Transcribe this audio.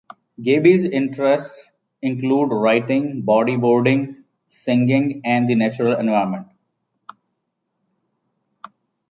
Gaby's interests include writing, body-boarding, singing and the natural environment.